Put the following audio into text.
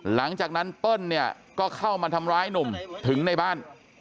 หลังจากนั้นเปิ้ลเนี่ยก็เข้ามาทำร้ายหนุ่มถึงในบ้าน